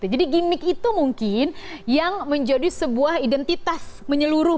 gimmick itu mungkin yang menjadi sebuah identitas menyeluruh